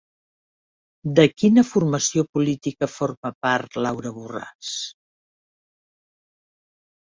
De quina formació política forma part Laura Borràs?